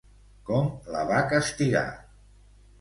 Com la va castigar?